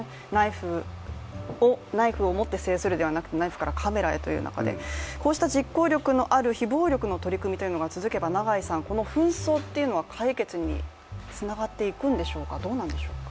ナイフを持って制するではなく、「ナイフからカメラへ」という中でこうした実行力のある非暴力の取り組みが続けば、永井さん、この紛争というのは解決につながっていくんでしょうかどうなんでしょうか？